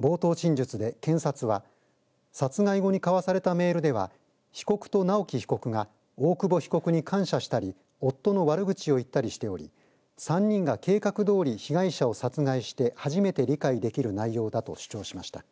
冒頭陳述で検察は殺害後に交わされたメールでは被告と直樹被告が大久保被告に感謝したり夫の悪口を言ったりしており３人が計画どおり被害者を殺害して初めて理解できる内容だと主張しました。